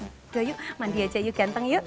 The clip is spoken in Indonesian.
udah yuk ah mandi aja yuk ganteng yuk